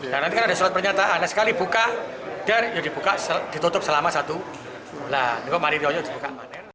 nah nanti kan ada surat pernyataan sekali buka dan ya dibuka ditutup selama satu bulannya dibuka